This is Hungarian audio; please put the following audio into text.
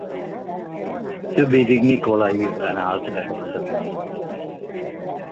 Több évig Mikolajivben állt befejezetlenül.